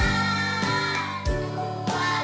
terima kasih pak hendrik